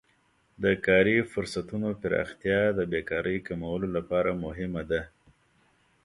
د کاري فرصتونو پراختیا د بیکارۍ کمولو لپاره مهمه ده.